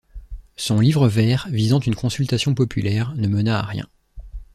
Son livre vert, visant une consultation populaire, ne mena à rien.